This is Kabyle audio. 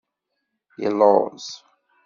Illuẓ.